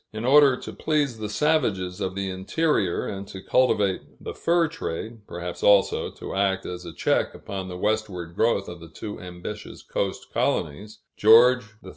In order to please the savages of the interior, and to cultivate the fur trade, perhaps also, to act as a check upon the westward growth of the too ambitious coast colonies, King George III.